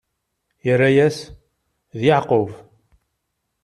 Irra-yas: D Yeɛqub.